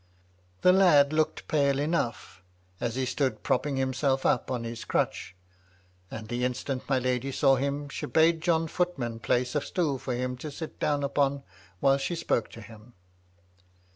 The lad looked pale enough, as he stood propping himself up on his crutch, and the instant my lady saw him, she bade John Footman place a stool for him to sit down upon while she spoke to him.